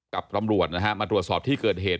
กับตำรวจนะฮะมาตรวจสอบที่เกิดเหตุ